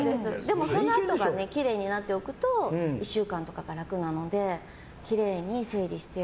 でもそのあとがきれいになっておくと１週間とかが楽なのできれいに整理して。